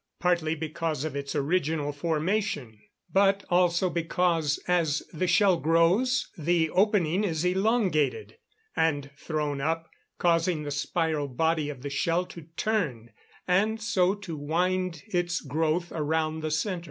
_ Partly because of its original formation; but also because, as the shell grows, the opening is elongated; and thrown up, causing the spiral body of the shell to turn, and so to wind its growth around the centre.